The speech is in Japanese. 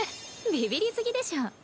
ビビり過ぎでしょ。